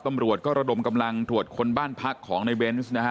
ตำรวจก็ระดมกำลังตรวจคนบ้านพักของในเบนส์นะฮะ